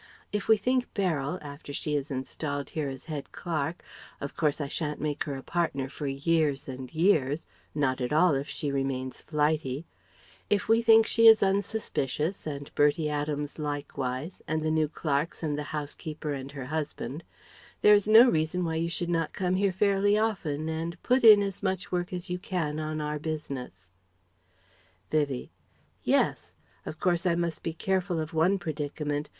If we think Beryl, after she is installed here as head clerk of course I shan't make her a partner for years and years not at all if she remains flighty if we think she is unsuspicious, and Bertie Adams likewise, and the new clerks and the housekeeper and her husband, there is no reason why you should not come here fairly often and put in as much work as you can on our business." Vivie: "Yes. Of course I must be careful of one predicament.